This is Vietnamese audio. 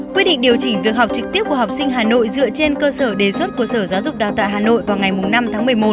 quyết định điều chỉnh việc học trực tiếp của học sinh hà nội dựa trên cơ sở đề xuất của sở giáo dục đào tạo hà nội vào ngày năm tháng một mươi một